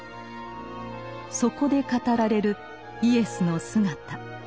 そこで語られるイエスの姿。